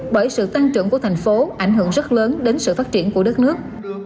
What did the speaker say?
bởi sự tăng trưởng của thành phố ảnh hưởng rất lớn đến sự phát triển của đất nước